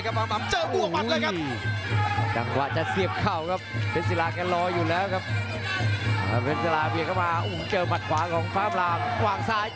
แขนเอาไว้แทงด้วยขาวขวา